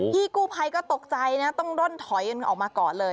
พี่กู้ภัยก็ตกใจนะต้องร่นถอยออกมาก่อนเลย